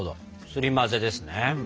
すり混ぜですね。